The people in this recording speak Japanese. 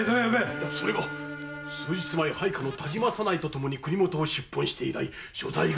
それが数日前配下の田島左内とともに国元を出奔して以来所在が掴めません！